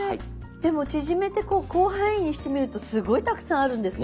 でも縮めてこう広範囲にしてみるとすごいたくさんあるんですね。